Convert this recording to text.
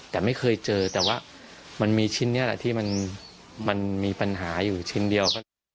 แต่ไม่เคยเจอแต่ว่ามันมีชิ้นนี้แหละที่มันมีปัญหาอยู่ชิ้นเดียว